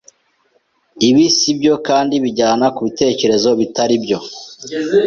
Ibi si byo kandi bijyana ku bitekerezo bitari byo